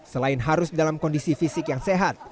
selain harus dalam kondisi fisik yang sehat